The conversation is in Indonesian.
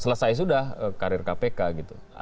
selesai sudah karir kpk gitu